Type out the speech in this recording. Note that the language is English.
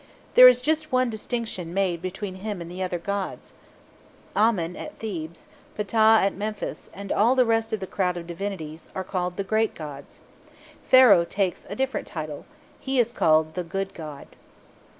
There is just one distinction made between him and the other gods. Amen at Thebes, Ptah at Memphis, and all the rest of the crowd of divinities, are called "the great gods." Pharaoh takes a different title. He is called "the good god."